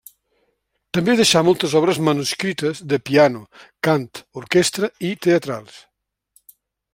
També deixà moltes obres manuscrites de piano, cant, orquestra i teatrals.